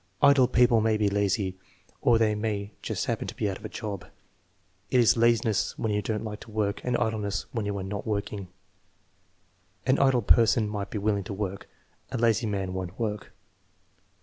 "Idle people may be lazy, or they may just happen to be out of a job." "It is laziness when you don't like to work, and idleness when you are not working." "An idle person might be willing to work; a lazy man won't work."